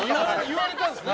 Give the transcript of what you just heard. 言われたんですね？